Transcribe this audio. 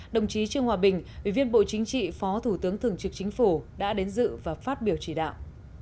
đồng chí trương hòa bình ủy viên bộ chính trị phó thủ tướng thường trực chính phủ đã đến dự và phát biểu chỉ đạo